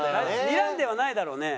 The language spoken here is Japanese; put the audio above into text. にらんではないだろうね？